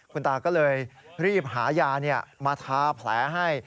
คุณตาก็เลยรีบหายามาทาแผลให้